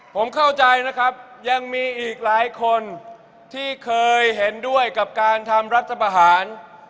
ผมเข้าใจนะครับยังมีอีกหลายคนที่เคยเห็นด้วยกับการทำรัฐประหาร